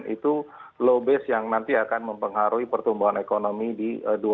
itu low base yang nanti akan mempengaruhi pertumbuhan ekonomi di dua ribu dua puluh